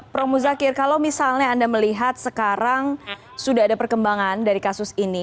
prof muzakir kalau misalnya anda melihat sekarang sudah ada perkembangan dari kasus ini